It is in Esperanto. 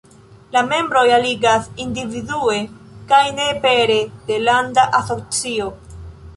La membroj aliĝas individue, kaj ne pere de landa asocio.